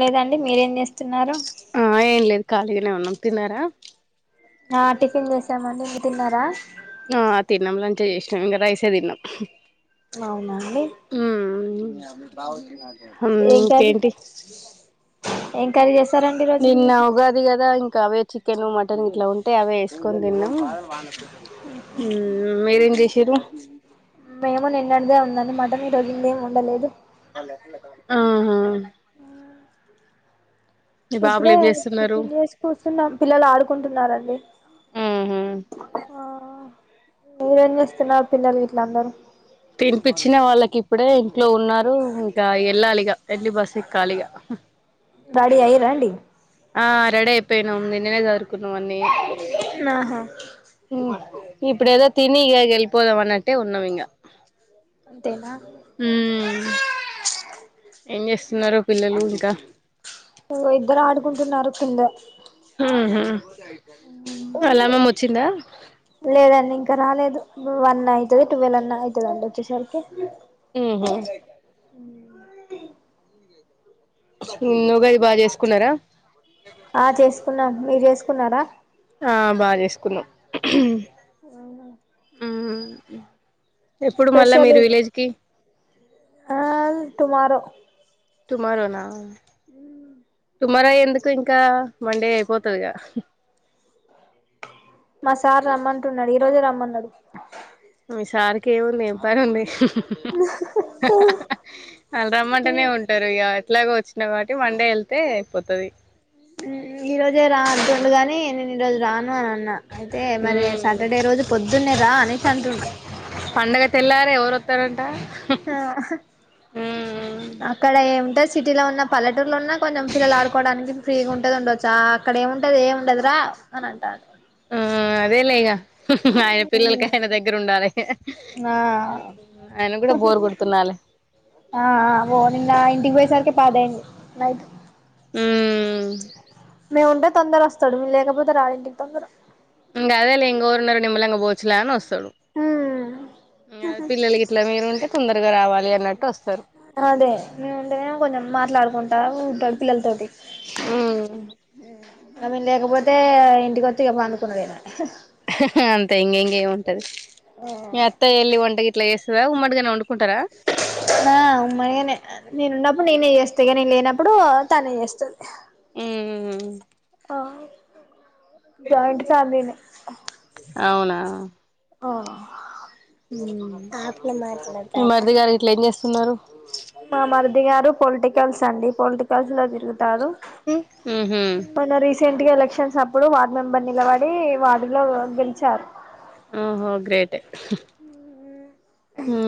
లేదండి మీరేం జేస్తున్నారు ఆ ఏం లేదు ఖాళీగానే ఉన్నాం తిన్నారా ఆ టిఫిన్ చేసామండి మీర్ తిన్నారా ఆ తిన్నాం లంచే జేస్నామ్ ఇంగ రైసే తిన్నం అవునాండి హుమ్ కర్రీ కేంటి ఏం కర్రీ చే నిన్న ఉగాది గదా ఇంకా అవే చికెన్ మటన్ ఇట్లా ఉంటే అవే ఏస్కోని తిన్నం మీరేం జెశిర్రు మేము నిన్నడిదే ఉందని మటన్ ఈరోజు ఏం వొండలేదు ఆహా మీ బాబులు ఇప్పుడే ఏం చేస్తున్నారు టిఫిన్ చేసి కూర్చున్నాం పిల్లలు ఆడుకుంటున్నారండి ఆ మ్మ్ మీరేం జేస్తున్నారు పిల్లలు గిట్లందరూ తినిపిచ్చిన వాళ్ళకి ఇప్పుడే ఇంట్లో ఉన్నారు ఇంకా ఏళ్లలి ఇకా ఏళ్లి బస్ ఎక్కాలి ఇకా హా రెడీ అయ్యిర్రండి ఆ రెడీ అయిపోయినం నిన్ననే సర్దుకున్నామని ఆహా ఇప్పుడు ఏదో తిని ఇగా గెలిపోదంన్నట్టే ఉన్నమింగ అంతేనా మ్మ్ ఏం జేస్తున్నారు పిల్లలు క్కా ఇగో ఇద్దరాడుకుంటున్నారు కిందా ఉహు వాళ్ళమ్మమ్మ వొచ్చిందా ఇంక రాలేదు వన్ అయితది టువెల్ అన్న అయితదండి వొచ్చేసరికి ఉ హు నిన్ ఉగాది బా జెస్కున్నరా ఆ చేస్కున్నాం మీరు జేసుకున్నారా ఆ బా జేసుకున్నాం ఆహా ఉమ్ ఎప్పుడు మళ్ళా స్పెషల్ మీరు విలేజ్ కి ఆ టుమారో టుమారోనా మ్ టుమారో ఎందుకింకా మండే అయిపోతదిగా మా సార్ రమ్మంటున్నాడు ఈ రోజే రమ్మన్నడు మీ సార్ కి ఏం ఉంది ఏం పని ఉంది అహ్ అహ్ అహ్ అల్ రమ్మంటనే ఉంటర్ ఇగా ఇట్లాగొచ్చినవ్ కాబట్టి మండే ఎళ్తే అయిపోతది ఈ రోజే రాంటుండుగాని నేను ఈ రోజు రాను అన్ న్నా అయితే మరి ఉమ్ సాటర్డే రోజు పొద్దున్నే రా అనేసి అంటుండు పండగ తెల్లార ఎవరు వస్తారంట ఆ ఆహా అక్కడ ఎండేస్ సిటీలో ఉన్న పల్లెటూర్లో ఉన్న కొంచం పిల్లలు ఆడుకోవడానికి ఫ్రీగా ఉంటుది ఉండొచ్చు అక్కడ ఎం ఉంటది ఎం ఉండదు రా వస్తానంటాడు ఆ అదేలే ఇకా అయినా పిల్లలకి ఆయన దగ్గర ఉండాలి ఆ ఆయన కూడా బోర్ కొడుతుండాలి ఆ ఆ ఆబో నిన్న ఇంటికి పోయేసరికి పది అయ్యింది నైట్ హ్మ్మ్ లేదు ఉంటే తొందర వస్తాడు లేకపోతే రాడు ఇంటికి తొందర ఇంగ అదేలే ఇంగో ఉన్నారు నిమ్మలంగ పోవొచ్చు లే అని వస్తడు ఇంగ పిల్లల గిట్ల మీరు ఉంటే తొందరగా రావాలి అన్నట్టు వస్తరు అదే నేను ఉంటే ఏమో కొచం మాట్లాడుకుంటా ఉ పిల్లల తోటి హ్మ్ తాను లేకపోతే ఇంటికి వచ్చి ఇగ పండుకున్నడే ఇహి ఇహిహే అంతే ఇన్ ఇంగ ఎం ఉంటది మీ అత్త ఎళ్ ఒంట గీట్లా వేసదా మడ్గానే ఉం మా నేనే నేను ఉన్నప్పుడు నేనే చేస్త ఇగ నేను లేనప్పుడు తనే చేస్తది హ్మ్మ్ ఆవు జయింట్ ఫ్యామలీ నే అవునా ఓ హ్మ్ మీ మరిది గారు ఇట్ల ఏం చేస్తున్నారు మా మరదిగారు పొలిటికల్స్ అండి పొలిటికల్స్ లో తి తిరుగుతారు ఉహు మొన్న రిస్క్ ప్రింట్ ఎలక్షన్స్ అప్పుడు వార్డ్ మెంబర్ నిలబడి వార్డ్ లో గెలిచారు ఓహో గ్రేటే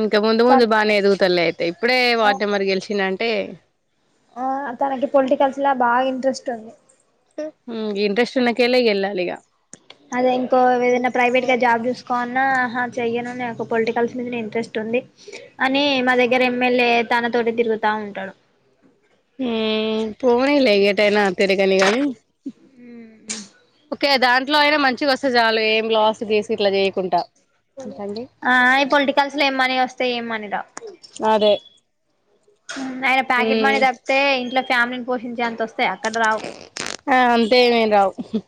ఇంకా ముందు తన్ ముందు బాగానే ఎదుగుతలే అయితే ఇప్పుడే ఆ వార్డు నెంబర్ గెలిచిండు అంటే ఆ తనకి పొలిటికల్స్ ల బా ఇంట్రెస్ట్ ఉంది హ్మ్ ఇంట్రెస్ట్ ఉన్నకేలే ఇంగ ఎల్లాలిగా అదే ఇంకో ఏదైన ప్రైవేట్ గా జాబ్ చూసుకోన్నా హా చెయ్యను నాకు పొలిటికల్స్ మీదనే ఇంట్రెస్ట్ ఉంది అని మా దగ్గర ఎమ్మెల్యే తన తోటి తిరు తా ఉంటడు హ్మ్మ్ పోనీ లే ఎటైన తిరగని గాని ఒకే దాన్ ఇట్లో అయినా మంచిగ వస్తే చాలు ఏం లాస్ గిస్ ఇట్లా చేయకుంట ఇంకండి ఆ ఈ పొలిటికల్స్ లో ఏం మనీ వస్తాయి ఏం మనీ రావు అదే ఆయన ప్యాకెట్ మనీ ఉమ్ తప్పితే ఇంట్లో ఫ్యామిలీ ని పోషించే అం తోస్ తే అక్కడ రావ్ ఆ అంతే ఏమేం రావు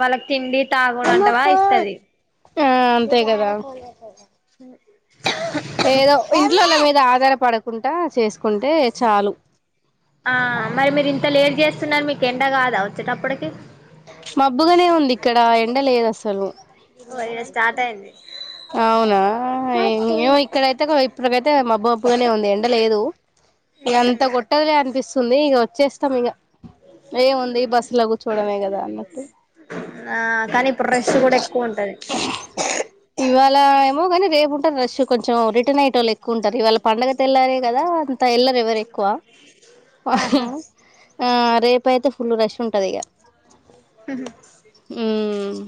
వాళ్ళకి తిండి తాగుడు అంటవా ఇస్తది హ్మ్ అంతే గద ఏదో ఇంట్లోల్ల మీద ఆధారపడకుంట చేసుకుంటే చాలు ఆ మరీ మీరు ఇంత లేట్ జెస్తున్నారు మీకు ఎండ కాద వచ్చేటప్పటికి మబ్బుగానే ఉంది ఇక్కడ ఎండ లేద్ అసలు ఓ ఈడ స్టార్ట్ అయింది అవునా ఆహా ఏమో ఏమో ఇక్కడైతే ఇప్పటికైతే మబ్బు మబ్బునే ఉం ఎండలేదు ఇగ ఇంత కొట్టదులే అనిపిస్తుంది తుంది ఇగ వచ్చేస్తాం ఇగ ఏముంది బస్సు లో కూర్చోడమే కదా అన్నట్టు ఆ కానీ ఇప్పుడు రష్ కూడా ఎక్కువుంటది ఇలా ఏమో కానీ రేపు ఉంటది రష్ కొంచెం రిటర్న్ అయ్యేటో లేె ఎక్కువ ఉంటారు ఇవాళ పండగ తెల్లారే కదా అంత ఎళ్లరేవరేక్ తక్కువ ఆహా ఆ రేపైతే ఫుల్ రష్ ఉంటది ఇగ హ హ్మ్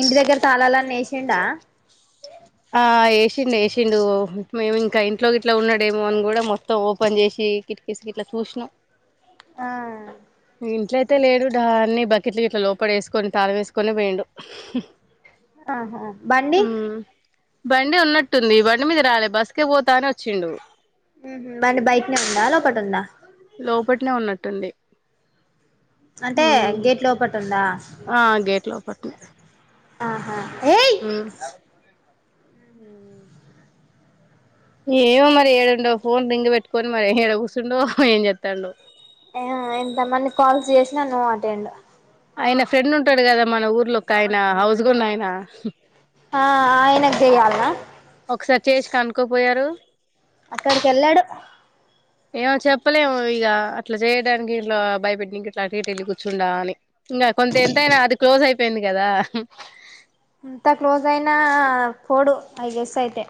ఇంటి దగ్గర తాళాలని ఎసిండ ఆ ఎసిండు ఏసిండు మేము ఇంక ఇంట్లో ఇట్లా ఉన్నాడేమో అని కూడా మొత్తం ఓపెన్ జేసి ది కిట్ కిస్ లో ఇట్ల చూసిన ఆ ఇంట్లోయితే లేడు డన్ని బకిట్లు ఇట్లా లోపల వేసుకొని తాళం వేసుకొని పోయిండు ఆహా బండి ఉమ్ బండి ఉన్నట్టుంది బండి మీద రాలే బస్కే పోతానే నో మ్ హు బండి బయటనే ఉందా లోపటుందా లోపట్నే ఉన్నట్టుంది అంటే ఉమ్ గేట్ లోపటుందా ఆ గేట్ లోపట్నె ఆహా ఏయ్ మ్ ఏమో మరి ఏడుండో ఫోన్ రింగ్ పెట్టుకొని మరి ఏడ కూర్చుండో ఏం చెస్తాండో ఏమో ఎంతమంది కాల్స్ చేసి నో అటెండ్ ఆయన ఫ్రెండ్ ఉంటాడు కదా మన ఊర్లో ఒక ఆయన హౌస్ కొన్న ఆయన ఆ ఆయనకు చేయాల్నా ఒక్కరి చేసి కనుకోపోయారు అక్కడికేళ్ళాడు ఏమో చెప్పలేము ఇగా అట్లా చేయడానికి ఇట్లా భయపెట్టి ఇంక అటిటేళ్ళి కూర్చుడా అని ఇంగా కొంత ఎంతైనా అది క్లోజ్ అయిపోయింది కదా ఎంతా క్లోజ్ అయినా పోడు ఐ గెస్ అయితే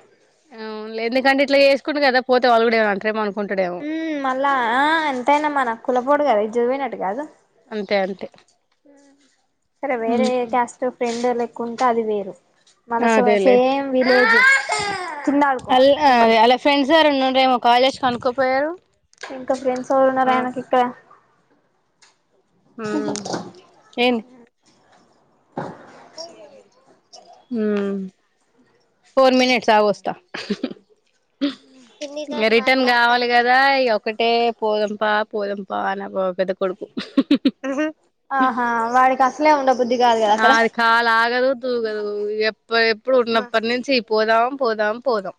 అవున్ లే ఎందుకంటే ఇట్లా చేసుకుండు కదా పోతే వాళ్ళు కూడా ఏమన్న అంటారెమో అను హు మ్ మళ్ళా ఆ ఎంతైనా మనా కులపోడు కద ఇజ్జత్ పోయినాట్టు కాదు అంతే అంతే సరే వేరే క్యాస్ట్ ఫ్రెండ్ లేకుంటే అది వేరు మళ్ళ సో అదేలే సేమ్ విలేజ్ కింద ఆడుకో అల్ అద్ అల్ల ఫ్రెండ్స్ ఎవరన్నా ఉన్ డేమో కాల్ చేసి కనుక్కకోపోయారు ఇంకా ఫ్రెండ్స్ ఎవరు ఉన్నారు ఆయనకి ఇక్కడ హుమ్ హు మ్ ఇగ రిటర్న్ కావాలి కదా ఇగ ఒక్కటే పోదంపా పోదంపా అ నా పెద్ద కొడుకు ఆహా వాడి ఆ ఆది కల్ ఆగదు తూగదు ఇగ పే ఎప్పుడు ఉన్నప్పటి నుంచి పోదాం పోదాం పోదాం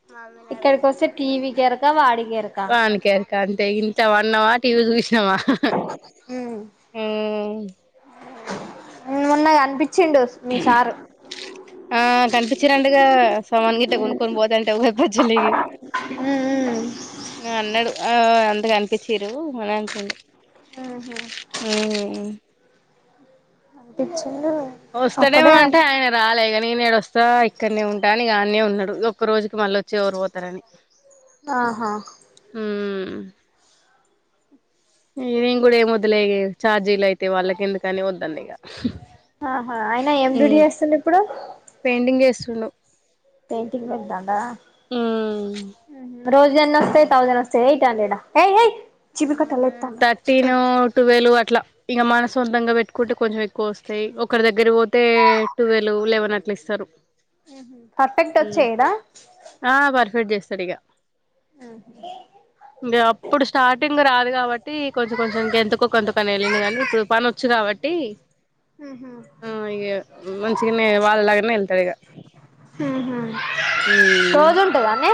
ఇక్కడికి వస్తే టీవీ కెరక వాడి కెరక వణికెరుక అంతే ఇన్ ట్ల పన్నవ టీవి చూసినవ మ్ మొన్న కనిప్ మీ సారూ ఆ కనిపించినంటగా సమాన్ గిట్ట కొనుక్కొని పోదంటే [unintelligible] మ్ మ్ ఇంగ అన్నడు ఆ అన్ అనిపించిరు అని అంటుండు ఉ పిచ్ ఒస్తడేమో అంటే ఆయన రాలే ఇగ నేనేడ వస్తా ఇక్కడనే ఉంటా అనీ ఇగ అన్నే ఉన్నడు. ఒక్క రోజుకి మళ్ళ వచ్చి ఓరు పోతారని ఆహా మ్ ఇగ నేను కూడా ఏం వద్దులే ఇగ ఛార్జీలైతాయి వాళ్ళకి ఎందుకని వద్దన్న ఇగ ఆహా అయినా ఎం డ్యూటీ చేస్తుండు ఇప్పుడు లు పెయింటింగ్ పెడుతాండా హు మ్ రోజేన్ని వస్తయి థౌసండ్ వస్తాయ ఎయిట్ హండ్రెడ ఎయ్ ఏయ్ చీపురు కట్టలు ఎత్తాను థర్టీన్ టువెల్ అట్ల ఇంగ మన సొంతంగా పెట్టుకుంటే కొంచెం ఎక్కువస్తయి ఓక్ ఒకరి దగ్గరికి పోతే టువెల్వ్ లెవెన్ అట్ల ఇస్తరు పర్ఫెక్ట్ వచ్చా ఇడా ఆ చేస్తాడు ఇగ ఇంగ అప్పుడు స్టార్టింగ్ రా దు కాబట్టి కొంచెం కొంచెంకి ఎంతకో కొంతకని వెళ్ళింది గాని ఇప్పుడు పనివచ్చు కాబట్టి ఉహు ఆ ఇగ మంచిగనే వాళ్ళలాగానే వెళ్తడు ఇగ అహ ఉమ్ రోజు ఉంటదన్నే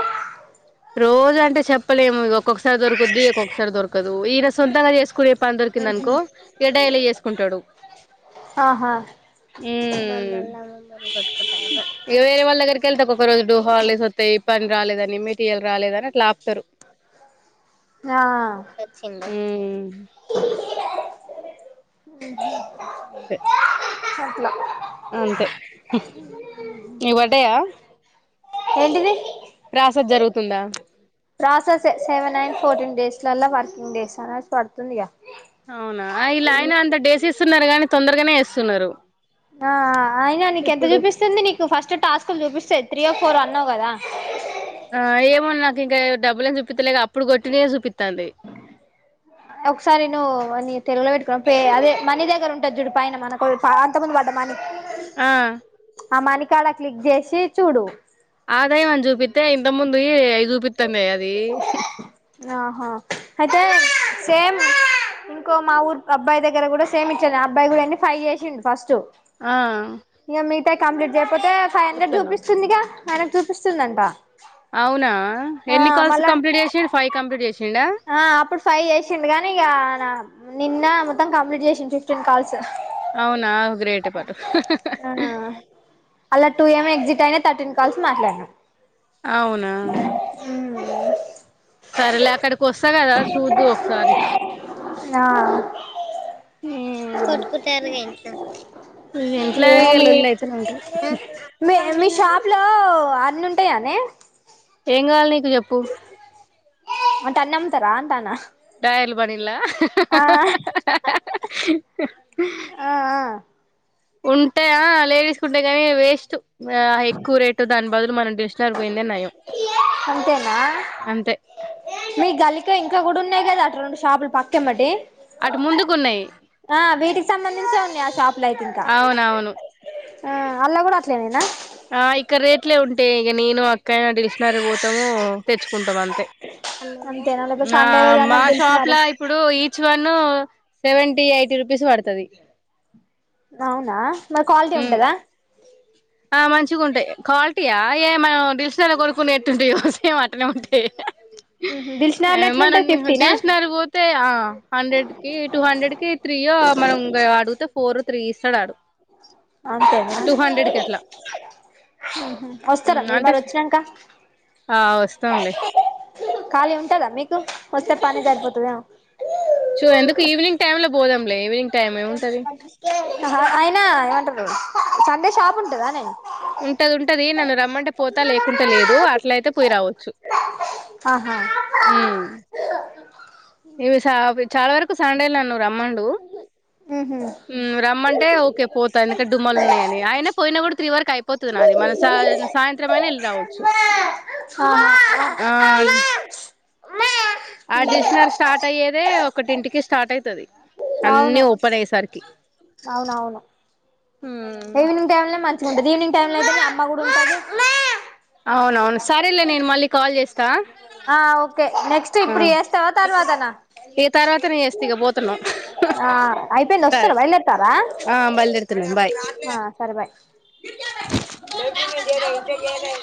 రోజు అంటే చెప్పలేము. ఒక్కొక్కసారి దొరుకుద్ది. ఒక్కొక్కసారి దొరకదు. ఈయన సొంతంగా చేసు కునే పని దొరికింది అనుకో ఇగ డైలీ చేసుకుంటడు. ఆహా ఉమ్ ఇగ వేరవాల దగ్గరకి కెల్తా ఒకక్క రోజుడు హాల్డెస్ వత్తయి పని రాలేదని ఇయాల రాలేద అని అట్ల ఆపుతరు ఆ వచ్చిండా అంతే అట్ల అంతే నీకు పడ్డయా ఏంటిది ప్రాసెస్ జరుగుతుందా ప్రాసెస్సె సెవెన్ నైన్ ఫోర్టీన్ డేస్లల్లా వర్కింగ్ డేస్ అనేసి పడుతుందిగా అవునా ఇలాయిన అంత డేస్ ఇస్తున్నరు గాని, తొందరగనే ఏస్తున్నారు. ఆ ఆయినా నీకేంత ఇప్పుడు చూపిస్తుంది నీకు ఫస్ట్ టాస్క్లు చూపిస్తది త్రీ ఆఫ్ పోరు అన్నావు కదా ఆ ఏమొ నాకు ఇంకా డబ్బులు చూపిత్తలేక అప్పుడు కొట్టినయే చూపిత్తాంది. ఒకసారి నువ్వు నీ తెలుగులో పెట్టుకున్నావా అదే పె మనీ దగ్గర ఉంటది జూడు పైన మన కా అంత మని ఆ ఆ మని కాడ క్లిక్ చేసి చూడు ఆదాయమని చూపిత్తే ఇంత ముందువి ఐయి చూపి ఆహా అయితే సేమ్ ఇంకో మా ఊరు అబ్బాయి దగ్గర కూడా సేమ్ ఇట్లనే అబ్బాయి కూడా అండి ఫైవ్ చేసిండు ఫస్టు ఆ కంప్లీట్ చేయపోతే ఫైవ్ హండ్రెడ్ వత్తన్నావు చూపిస్తుందిగా ఆయనకు చూపిస్తుందన్ అవునా ఎన్ని కాల్స్ కంప్లీట్ చేసిండు ఫైవ్ కంప్లీట్ చేసిండా ఆ అప్పుడు ఫైవ్ చేసిండు కానీ ఇగ నా నిన్న మొత్తం కంప్లీట్ చేసిండు ఫిఫ్టీన్ కాల్స్ అవునా గ్రేట్ పటు అహ అలా టూ ఎమొ ఎగ్జిట్ అయినా థర్టీన్ కాల్స్ మాట్లాడిన అవునా సరేలే అక్కడికి వస్తా కదా చూదువు ఒకసారి ఆ ఉమ్ కొట్టుకుంటారు గా ఇంట్లో ఇంట్ల ఏమో ఇగ మీ లొల్లి అయితనే ఉంటది మీ మీ షాప్ లో అన్ని ఉంటాయానే ఏం కావాలి నీకు చెప్పు అంటే అన్నంతరా అంటన్నా రాయల్ బనీలా ఆ ఆ ఆ ఉంటయ్ యా లేడీస్కుంటై వేస్ట్ ఆ హె ఎక్కురేటో దన్బదులు మనం డెస్టాల్ బొయిందే నయం ఆ అంతే మీ గిల్లీకెయ్ ఇంకా గుడున్నాయి గదటు రెండు షాపులు పక్కెంబటే అటు ముందుకున్నాయి ఆ వీటికి సంబంధించే ఉంద్ అవునవును ఆ అల్ల కూడా అట్లనేనా ఆ ఇక్కడ్రేట్లే ఉంటేయ్ ఇగ నేను అక్క డిల్షినగర్ పోతాము తెచ్చుకుంటమంతే అంతేనా లేకపోతే సండే రోజు మా అన్నం షాప్ పిలిచినారు లా ఇప్పుడు each one seventy eighty rupees వడ్తదీ అవునా మరి క్వాలిటీ ఉంటదా ఆ మంచిగా ఉంటాయి క్వాలిటీయా ఏమ దిల్షుక్నగర్ కంటే ఎట్టుంటాయో సేమ్ అట్లనే ఉంటాయి ఉమ్ హ్ ఏ మనం దిల్షుక్నగర్ కి పోతే ఆ హండ్రెడ్కి టూ హండ్రెడ్కి త్రీయో మన్ ఉంగ అడుతే ఫోర్ త్రీ ఇస్తాడడు అంతేనా ఉమ్ హ్ వస్తారా మీరు అంటే మరి వచ్చినాక ఆ వస్తాంలే ఖాళీ ఉంటందా మీకు వస్తే పనే సరిపోతదేమో పోదాం లేవే అయినా ఏవంటరూ సండే షాపుంటదానే ఉంటది ఉంటది నన్ను రమ్మంటే పోతా లేకుంటే లేదు అట్లైతే పోయ్ రావొచ్చు ఆహా ఇవిసా వి చాలావరకు సండేల్నా నువ్వు రమ్మండూ ఉహు ఉమ్ రమ్మంటే ఓకే పోతా ఎందుకడ్డుమ్మాలున్నానీ అయినా పోయినా గుడి త్రీ వరకైపోతది మన సా సాయంత్రమైన వెళ్లి రావొచ్చు ఆహా ఆ ఆ డిష్నరి స్టార్ట్ అయ్యేదే ఒకటింటికి స్టార్ట్ అయితది అన్నీ అవును ఓపెన్ నయ్ సరికి అవునవును ఈవినింగ్ టైమ్లా మన్ ఉంటది ఈవినింగ్ టైమ్లనైతే మీ అమ్మ కూడా ఉంటాది అవునవును సరేలే నేను మళ్ళీ కాల్ జేస్త్ ఆ ఓకే నెక్స్ట్ ఇప్పుడు చేస్తావా తర్వాతనా ఇగ తర్వాతనే చేస్తా ఇగ పోతున్నా ఆ అయ్యిపో సరే వస్తారా బయల్దేర్తారా ఆ బయలుదేరుతున్నాను బాయ్ ఆ సరే బాయ్ [unintelligible]